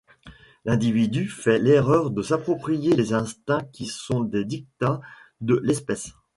L'individu fait l'erreur de s'approprier les instincts qui sont les diktats de l'Espèce.